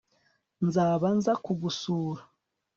nzaba nza kugusura